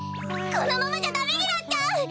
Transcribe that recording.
このままじゃダメになっちゃう！